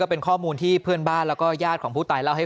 เป็นข้อมูลที่เพื่อนบ้านแล้วก็ญาติของผู้ตายเล่าให้